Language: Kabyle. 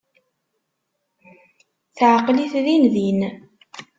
Teɛqel-it din din.